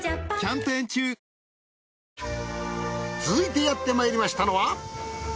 続いてやってまいりましたのは。